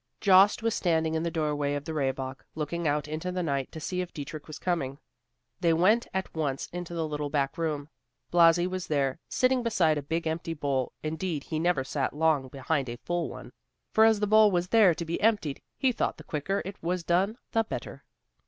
Jost was standing in the doorway of the Rehbock, looking out into the night to see if Dietrich was coming. They went at once into the little back room. Blasi was there, sitting behind a big empty bowl; indeed he never sat long behind a full one, for as the bowl was there to be emptied he thought the quicker it was done the better.